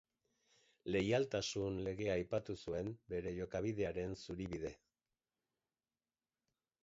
Leialtasun legea aipatu zuen bere jokabidearen zuribide.